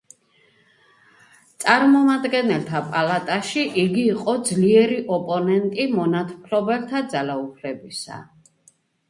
წარმომადგენელთა პალატაში იგი იყო ძლიერი ოპონენტი მონათმფლობელთა ძალაუფლებისა.